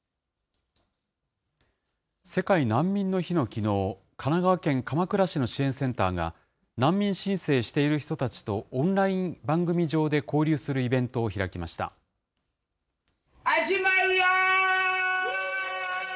世界難民の日のきのう、神奈川県鎌倉市の支援センターが、難民申請している人たちとオンライン番組上で交流するイベントを始まるよー。